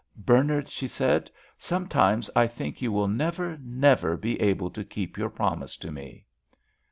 "Bernard," she said, "sometimes I think you will never, never be able to keep your promise to me!"